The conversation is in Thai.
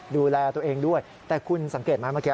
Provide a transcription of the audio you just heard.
ดูแลตัวเองด้วยแต่คุณสังเกตไหมเมื่อกี้